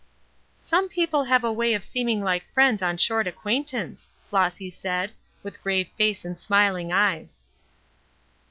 "Some people have a way of seeming like friends on short acquaintance," Flossy said, with grave face and smiling eyes.